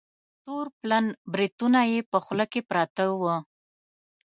تور پلن بریتونه یې په خوله کې پراته وه.